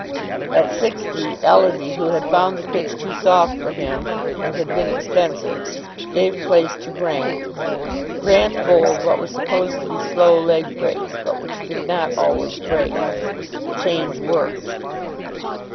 At sixty Ellerby, who had found the pitch too soft for him and had been expensive, gave place to Grant. Grant bowled what were supposed to be slow leg breaks, but which did not always break. The change worked.